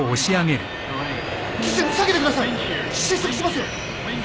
機首下げてください。